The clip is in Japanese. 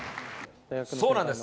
そうなんです。